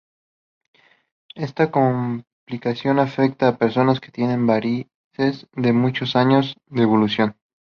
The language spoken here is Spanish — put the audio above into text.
Esta complicación afecta a personas que tienen varices de muchos años de evolución.